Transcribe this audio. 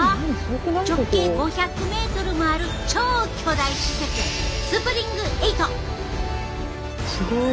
直径５００メートルもある超巨大施設すごい！